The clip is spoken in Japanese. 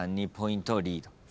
２ポイントリード。